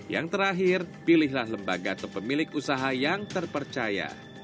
yang terakhir pilihlah lembaga atau pemilik usaha yang terpercaya